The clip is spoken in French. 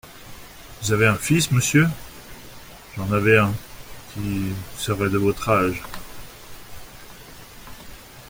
Vous avez un fils, monsieur ? J'en avais un … qui serait de votre âge.